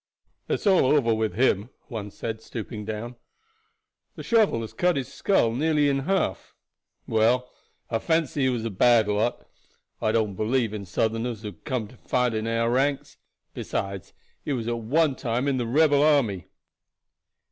"It's all over with him," one said, stooping down; "the shovel has cut his skull nearly in half. Well, I fancy he was a bad lot. I don't believe in Southerners who come over to fight in our ranks; besides he was at one time in the rebel army."